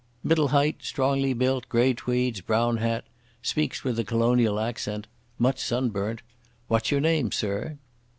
"Middle height—strongly built—grey tweeds—brown hat—speaks with a colonial accent—much sunburnt. What's your name, sir?"